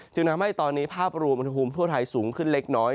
จึงทำให้ตอนนี้ภาพรวมอุณหภูมิทั่วไทยสูงขึ้นเล็กน้อย